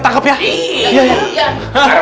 cuman harus ikutan